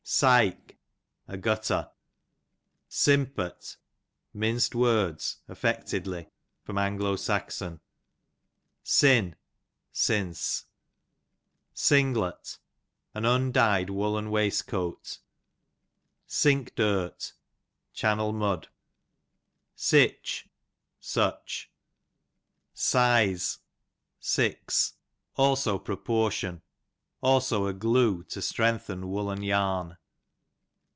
Sike, a gutter. Simpert, minced words, affectedly. A.S. Sin, siruie. Singlet, an undy'd woollen waist coat. Sinkdurt, channel mud. Sitoh, such. 101 Size, six ; also proportion ; also a glue to strengthen woollen yarn.